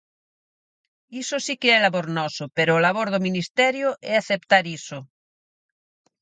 Iso si que é labor noso, pero o labor do Ministerio é aceptar iso.